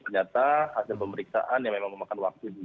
ternyata hasil pemeriksaan